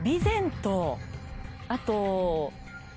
あと。